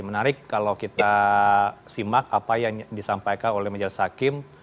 menarik kalau kita simak apa yang disampaikan oleh majelis hakim